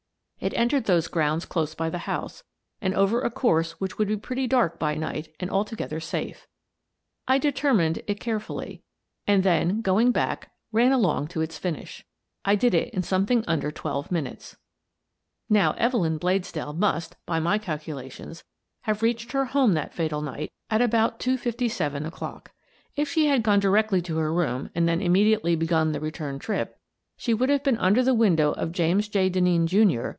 It entered those grounds close by the house, and over a course which would be pretty dark by night and altogether safe. I determined it carefully, and then, going back, ran along it to its finish. I did it in something under twelve minutes. Now Evelyn Bladesdell must, by my calculations, have reached her home that fatal night at about I Meet Mrs. Maria Bladesdell 207 2.57 o'clock. If she had gone directly to her room and then immediately begun the return trip, she would have been under the window of James J. Denneen, Jr.